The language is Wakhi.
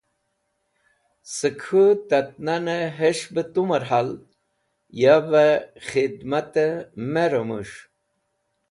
Sẽk k̃hũ tat nanẽ k̃hes̃h bẽ tumẽr hal, yavẽ khizmatẽ me rũmũs̃h.